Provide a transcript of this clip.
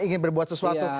ingin berbuat sesuatu